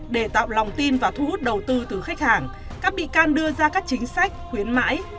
để tạo lòng tin và thu hút đầu tư từ khách hàng các bị can đưa ra các chính sách khuyến mãi